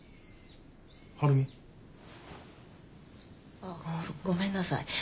ああごめんなさい。